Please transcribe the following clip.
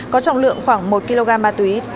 có trọng lượng khoảng một kg ma túy